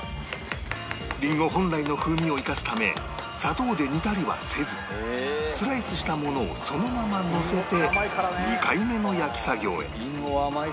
りんご本来の風味を生かすため砂糖で煮たりはせずスライスしたものをそのままのせて２回目の焼き作業へ